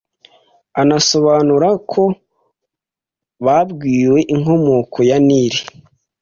anasobanura ko babwiwe inkomoko ya Nili